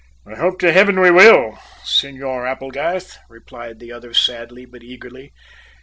"I hope to heaven we will, Senor Applegarth," replied the other sadly, but eagerly.